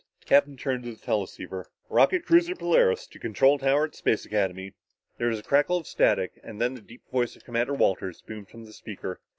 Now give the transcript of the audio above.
The captain turned to the teleceiver. "Rocket cruiser Polaris to control tower at Space Academy " There was a crackle of static and then the deep voice of Commander Walters boomed from the speaker.